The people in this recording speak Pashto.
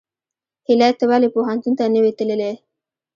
هیلۍ ته ولې پوهنتون ته نه وې تللې؟